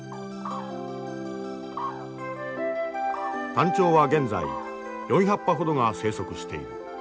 タンチョウは現在４００羽ほどが生息している。